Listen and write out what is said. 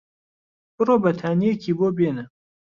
بڕۆ بەتانییەکی بۆ بێنە.